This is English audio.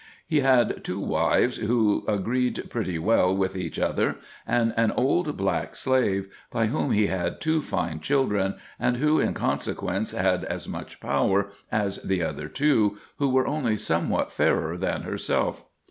He had two wives, who agreed pretty well with each other, and an old black slave, by whom he had two fine children, and who in consequence had as much power as the other two, who were only somewhat fairer than herself.